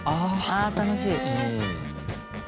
ああ楽しい。